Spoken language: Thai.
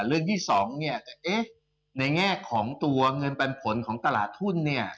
เรื่องที่สองเนี่ยเอ๊ะในแง่ของตัวเงินปันผลของตลาดทุนเนี่ย